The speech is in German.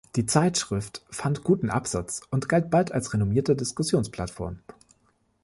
Die Zeitschrift fand guten Absatz und galt bald als renommierte Diskussionsplattform.